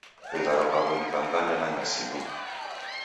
Vigharo vawo ni va nganda na nyasi ndu